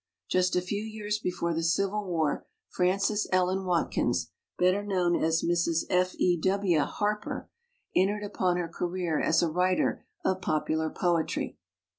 Just a few years before the Civil War Frances Ellen Wat kins, better known as Mrs. F. E. W. Har per, entered upon her career as a writer of popular poetry.